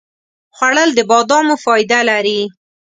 خوړل د بادامو فایده لري